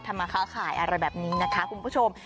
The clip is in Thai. มาค้าขายอะไรแบบนี้นะคะคุณผู้ชม